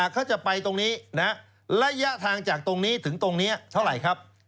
เขาจะไปตรงนี้ระยะทางจากตรงนี้ถึงตรงนี้เท่าไหร่ครับ